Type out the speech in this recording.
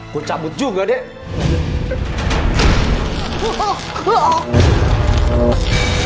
gue cabut juga deh